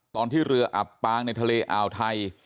ตอนที่เรืออับปางในทะเลอ่าวไทย